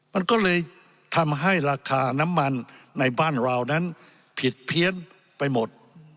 มันก็เลยทำให้ราคาน้ำมันในบ้านเรานั้นผิดเพี้ยนไปหมด